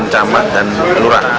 jaman dan penura